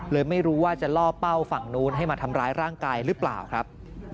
เลยไม่รู้ว่าจะล่อเป้าฝั่งนู้นให้มาทำร้ายร่างกายหรือเปล่าครับ